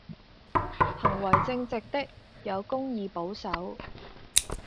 行為正直的，有公義保守